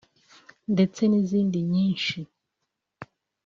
ndetse n’izindi nyinshi